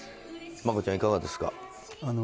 マコちゃん、いかがですか。